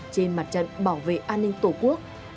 trên mặt trận bảo vệ an ninh tổ quốc